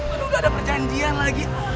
aduh udah ada perjanjian lagi